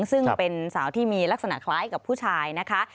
ซึ่งเป็นสาวที่มีลักษณะคล้ายกับผู้ชายนะคะ